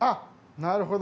なるほど。